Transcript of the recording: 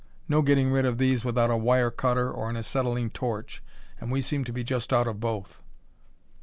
No getting rid of these without a wire cutter or an acetylene torch and we seem to be just out of both."